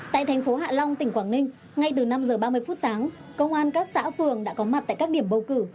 tại thành phố hạ long tỉnh quảng ninh ngay từ năm h ba mươi phút sáng công an các xã phường đã có mặt tại các điểm bầu cử